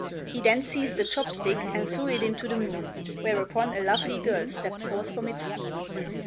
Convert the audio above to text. He then seized a chop stick and threw it into the moon, whereupon a lovely girl stepped forth from its beams.